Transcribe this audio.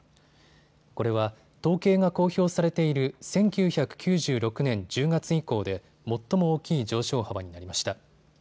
これは統計が公表されている１９９６年１０月以降で最も大きい上昇幅になりました。